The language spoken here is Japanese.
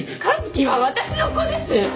一輝は私の子です！